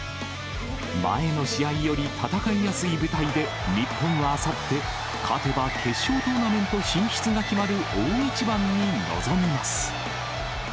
前の試合より戦いやすい舞台で、日本はあさって、勝てば決勝トーナメント進出が決まる大一番に臨みます。